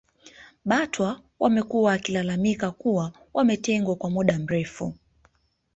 Batwa wamekuwa wakilalamika kuwa wametengwa kwa muda mrefu